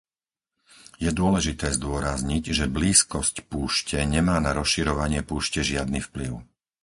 Je dôležité zdôrazniť, že blízkosť púšte nemá na rozširovanie púšte žiadny vplyv.